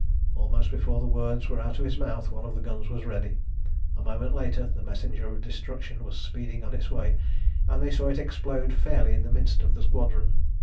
Almost before the words were out of his mouth one of the guns was ready. A moment later the messenger of destruction was speeding on its way, and they saw it explode fairly in the midst of the squadron.